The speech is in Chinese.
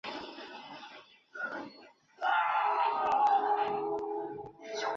爱因斯坦因此修正了他的爱因斯坦方程。